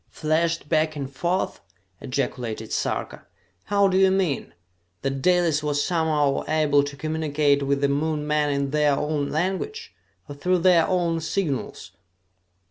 "Flashed back and forth!" ejaculated Sarka. "How do you mean? That Dalis was somehow able to communicate with the Moon men in their own language, or through their own signals?"